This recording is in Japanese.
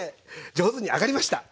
上手に揚がりました。